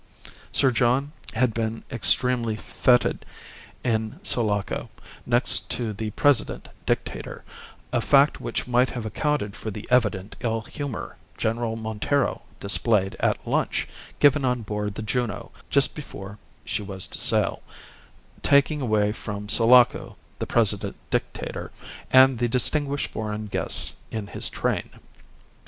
Sir John had been extremely feted in Sulaco, next to the President Dictator, a fact which might have accounted for the evident ill humour General Montero displayed at lunch given on board the Juno just before she was to sail, taking away from Sulaco the President Dictator and the distinguished foreign guests in his train.